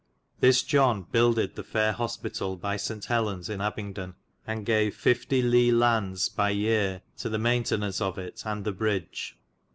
This John buildyd the faire hospitall by S. Helens in Abyngdon, and gave L. li. lands by yere to the maynteyn aunce of it and the bridge.